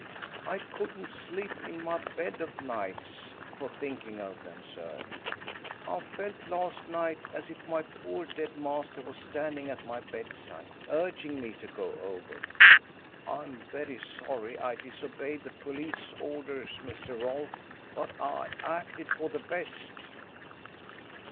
I couldn't sleep in my bed of nights for thinking of them, sir. I felt last night as if my poor dead master was standing at my bedside, urging me to go over. I am very sorry I disobeyed the police orders, Mr. Rolfe, but I acted for the best."